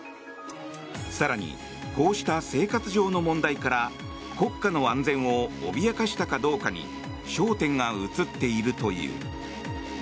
更に、こうした生活上の問題から国家の安全を脅かしたかどうかに焦点が移っているという。